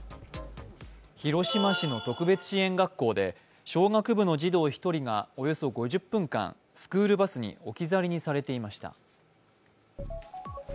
広島市の特別支援学校で小学部の児童１人がおよそ５０分間、スクールバスに置き去りにされていました。